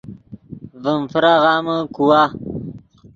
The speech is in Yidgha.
ڤیم فراغامے کوا